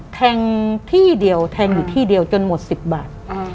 แทงที่เดียวแทงอยู่ที่เดียวจนหมด๑๐บาท